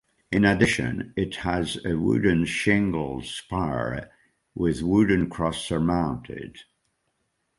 In addition it has a wooden shingled spire with wooden cross surmounted.